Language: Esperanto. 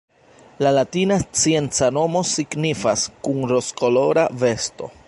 La latina scienca nomo signifas “kun rozkolora vesto”.